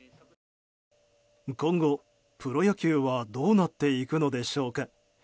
今後、プロ野球はどうなっていくのでしょうか。